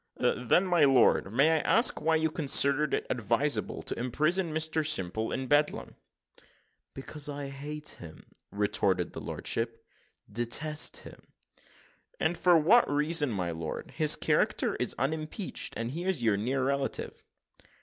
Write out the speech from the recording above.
"Then, my lord, may I ask you why you considered it advisable to imprison Mr Simple in Bedlam?" "Because I hate him," retorted his lordship, "detest him." "And for what reason, my lord? his character is unimpeached, and he is your near relative."